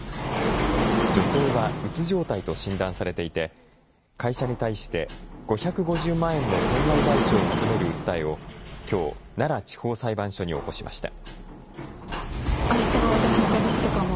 女性はうつ状態と診断されていて、会社に対して５５０万円の損害賠償を求める訴えをきょう、奈良地方裁判所に起こしました。